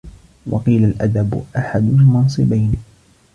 وَقِيلَ الْأَدَبُ أَحَدُ الْمَنْصِبَيْنِ